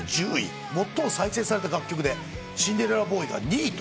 最も再生された楽曲で『シンデレラボーイ』が２位。